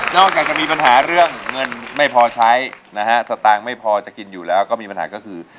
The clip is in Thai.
อกจากจะมีปัญหาเรื่องเงินไม่พอใช้นะฮะสตางค์ไม่พอจะกินอยู่แล้วก็มีปัญหาก็คือ